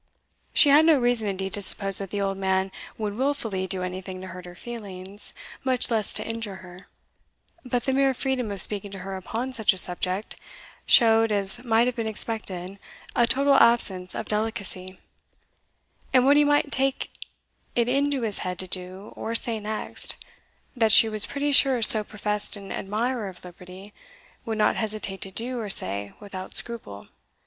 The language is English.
She had no reason, indeed, to suppose that the old man would wilfully do anything to hurt her feelings, much less to injure her; but the mere freedom of speaking to her upon such a subject, showed, as might have been expected, a total absence of delicacy; and what he might take it into his head to do or say next, that she was pretty sure so professed an admirer of liberty would not hesitate to do or say without scruple.